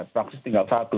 praktis tinggal satu